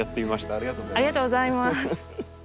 ありがとうございます。